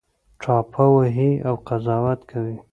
ټاپه وهي او قضاوت کوي